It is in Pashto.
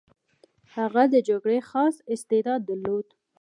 هغه د جګړې خاص استعداد درلود.